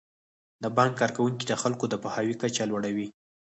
د بانک کارکوونکي د خلکو د پوهاوي کچه لوړوي.